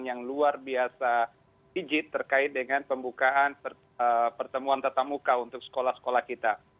yang luar biasa hijit terkait dengan pembukaan pertemuan tatamuka untuk sekolah sekolah kita